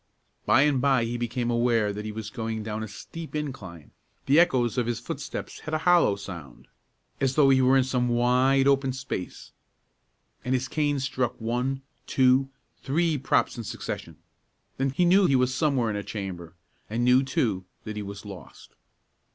By and by he became aware that he was going down a steep incline. The echoes of his footsteps had a hollow sound, as though he were in some wide, open space, and his cane struck one, two, three, props in succession. Then he knew he was somewhere in a chamber; and knew, too, that he was lost.